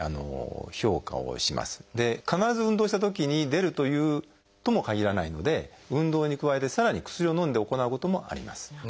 必ず運動したときに出るともかぎらないので運動に加えてさらに薬を飲んで行うこともあります。